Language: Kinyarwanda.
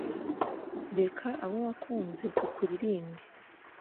reka abo wakunze tukuririmbe